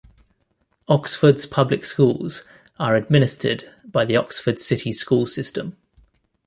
Oxford's public schools are administered by the Oxford City School System.